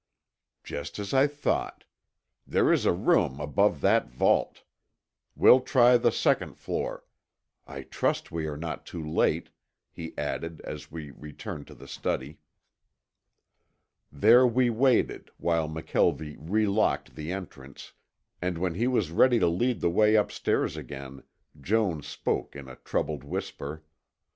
"Just as I thought. There is a room above that vault. We'll try the second floor. I trust we are not too late," he added as we returned to the study. There we waited while McKelvie relocked the entrance, and when he was ready to lead the way upstairs again, Jones spoke in a troubled whisper.